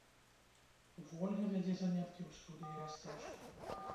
Вольга вядзе заняткі ў студыі расцяжкі.